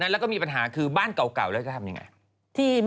แล้วก็มีปัญหาคือบ้านเก่าแล้วจะทำยังไง